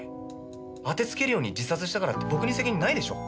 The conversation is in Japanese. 当てつけるように自殺したからって僕に責任ないでしょう！？